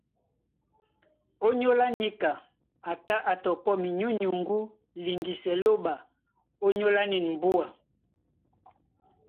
Ònyólá níka a tá á tɔpɔ́ minyúnyuŋgú liŋgisɛ Lóɓa ónyólá nîn mbúa.